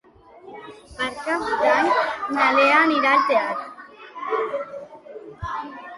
Per Cap d'Any na Lea anirà al teatre.